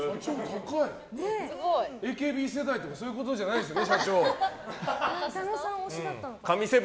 ＡＫＢ世代とかそういうことじゃないですよね社長？